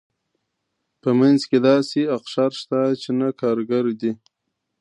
په منځ کې داسې اقشار شته چې نه کارګر دي.